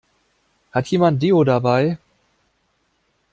Hat jemand Deo dabei?